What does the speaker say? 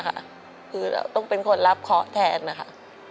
คือเราต้องเป็นคนรับขอแทนค่ะ